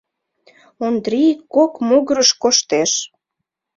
Ондрий кок могырыш коштеш.